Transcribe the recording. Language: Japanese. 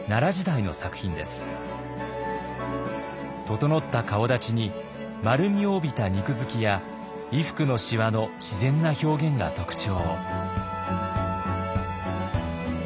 整った顔だちに丸みを帯びた肉づきや衣服のしわの自然な表現が特徴。